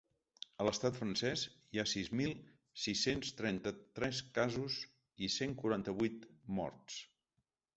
A l’estat francès hi ha sis mil sis-cents trenta-tres casos i cent quaranta-vuit morts.